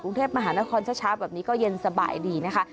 กรุงเทพมหานครเช้าแบบนี้ก็เย็นสบายดีนะคะ